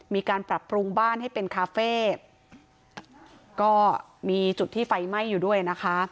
มีการปรับปรุงบ้านให้เป็นคาเฟ่ก็มีจุดที่ไฟไหม้อยู่ด้วยนะคะ